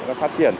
nó phát triển